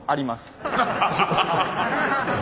ハハハハハ！